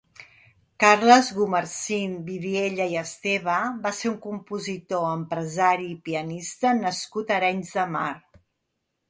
Carles Gumersind Vidiella i Esteba va ser un compositor, empresari i pianista nascut a Arenys de Mar.